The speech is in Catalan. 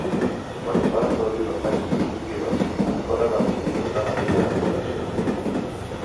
Quan es varen reduir les taxes impositives, Anaconda va decidir posar la mina en producció.